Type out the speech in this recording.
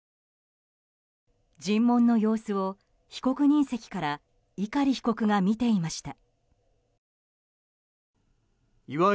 尋問の様子を被告人席から碇被告が見ていました。